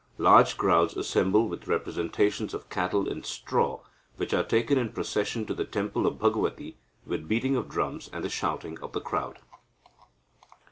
Large crowds assemble with representations of cattle in straw, which are taken in procession to the temple of Bhagavathi with beating of drums and the shouting of the crowd."